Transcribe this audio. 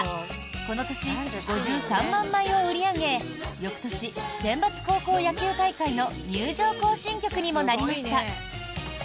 この年、５３万枚を売り上げ翌年、センバツ高校野球大会の入場行進曲にもなりました。